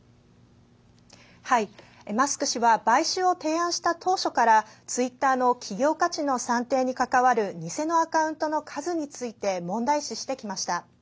マスク氏は買収を提案した当初からツイッターの企業価値の算定に関わる偽のアカウントの数について問題視してきました。